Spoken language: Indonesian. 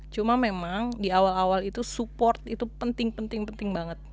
cuma memang di awal awal itu support itu penting penting penting penting banget